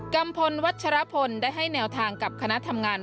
ัมพลวัชรพลได้ให้แนวทางกับคณะทำงาน